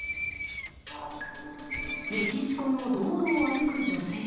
メキシコの道路を歩く女性。